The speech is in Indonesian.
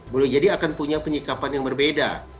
boleh jadi akan punya penyikapan yang berbeda